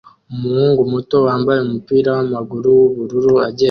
Umuhungu muto wambaye umupira wamaguru wubururu agenda